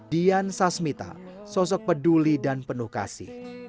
dian sasmita sosok peduli dan penuh kasih